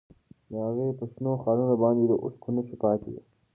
د هغې په شنو خالونو باندې د اوښکو نښې پاتې وې.